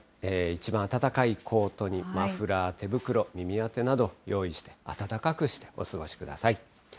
一番暖かいコートにマフラー、手袋、耳当てなど、用意して、暖かくしてお過ごしください。